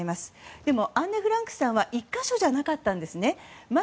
でも、アンネ・フランクさんは１か所じゃなかったんですね。